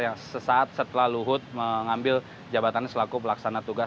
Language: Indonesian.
yang sesaat setelah luhut mengambil jabatan selaku pelaksana tugas